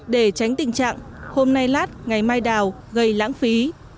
để tránh tình trạng hôm nay lát ngày mai đào gây lãng phí